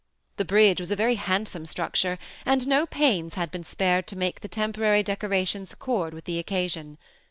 The bridge was a very handsome structure, and no pains had been spared to make the temporary decorations accord wifii the occasion.